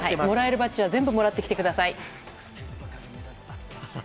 もらえるバッジは全部もらってきてください！